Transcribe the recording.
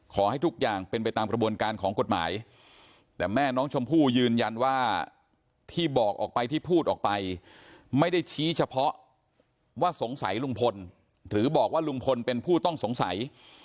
ขอให้ทุกอย่างเป็นไปตามกระบวนการของกฎหมายแต่แม่น้องชมพู่ยืนยันว่าที่บอกออกไปที่พูดออกไปไม่ได้ชี้เฉพาะว่าสงสัยลุงพลหรือบอกว่าลุงพลเป็นผู้ต้องสงสัย